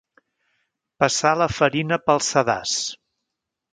Passar la farina pel sedàs.